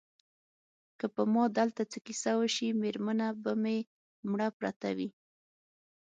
که په ما دلته څه کیسه وشي مېرمنه به مې مړه پرته وي.